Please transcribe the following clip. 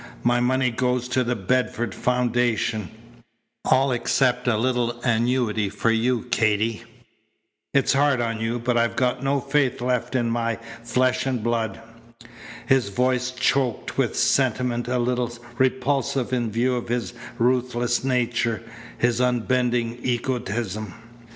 My money goes to the Bedford Foundation all except a little annuity for you, Katy. It's hard on you, but I've got no faith left in my flesh and blood." His voice choked with a sentiment a little repulsive in view of his ruthless nature, his unbending egotism.